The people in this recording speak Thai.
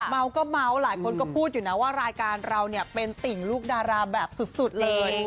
เมาก็เมาส์หลายคนก็พูดอยู่นะว่ารายการเราเนี่ยเป็นติ่งลูกดาราแบบสุดเลย